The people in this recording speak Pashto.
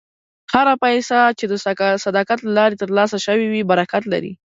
هره پیسه چې د صداقت له لارې ترلاسه شوې وي، برکت لري.